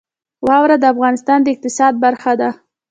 واوره د افغانستان د اقتصاد برخه ده.